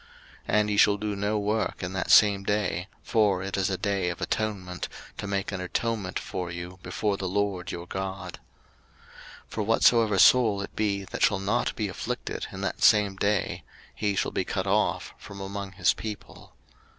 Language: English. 03:023:028 And ye shall do no work in that same day: for it is a day of atonement, to make an atonement for you before the LORD your God. 03:023:029 For whatsoever soul it be that shall not be afflicted in that same day, he shall be cut off from among his people.